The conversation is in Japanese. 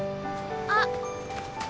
あっ。